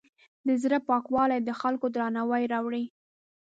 د زړۀ پاکوالی د خلکو درناوی راوړي.